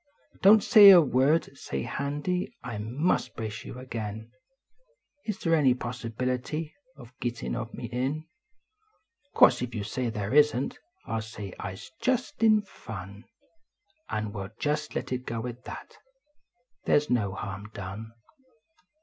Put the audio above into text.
Don t say a word ! Say, Handy, I must brace yon agin : Is they an} possibility Of gittin of me in ? Course if you say they isn t, I ll say I s just in fun, And we ll just let it go at that They s no harm done.